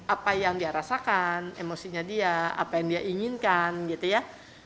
apa yang dia rasakan emosinya dia apa yang dia inginkan gitu ya